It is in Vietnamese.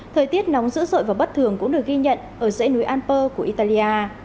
thời tiết nóng dữ dội và bất thường cũng được ghi nhận ở dãy núi alper của italia